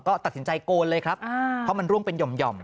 ก็ตัดสินใจโกนเลยครับเพราะมันร่วงเป็นหย่อม